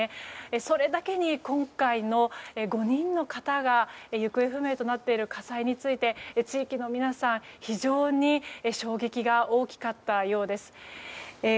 それだけに今回の５人の方が行方不明となっている火災について地域の皆さん、非常に衝撃が大きかったようです。